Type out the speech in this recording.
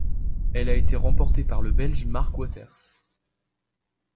Elle a été remportée par le Belge Marc Wauters.